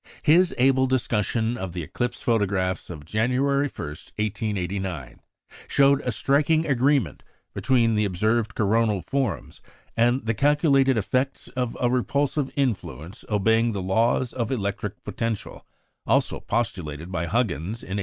His able discussion of the eclipse photographs of January 1, 1889, showed a striking agreement between the observed coronal forms and the calculated effects of a repulsive influence obeying the laws of electric potential, also postulated by Huggins in 1885.